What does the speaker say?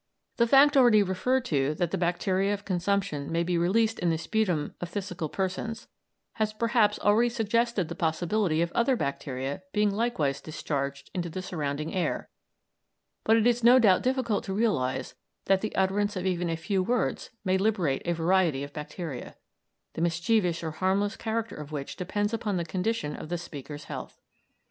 The fact already referred to, that the bacteria of consumption may be released in the sputum of phthisical persons, has perhaps already suggested the possibility of other bacteria being likewise discharged into the surrounding air, but it is no doubt difficult to realise that the utterance of even a few words may liberate a variety of bacteria, the mischievous or harmless character of which depends upon the condition of the speaker's health.